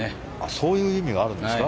そういう意味があるんですか。